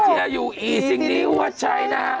สิเจียอยู่อีสิงนิวว๋าใช่นะครับ